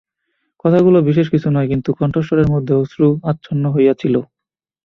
কথাগুলো বিশেষ কিছু নয়, কিন্তু কণ্ঠস্বরের মধ্যে অশ্রু আচ্ছন্ন হইয়া ছিল।